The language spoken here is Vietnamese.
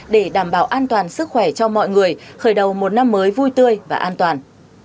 để đảm bảo an toàn sức khỏe cho mọi người khởi đầu một năm mới vui tươi và an toàn